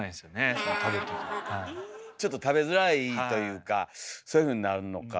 ちょっと食べづらいというかそういうふうになるのか。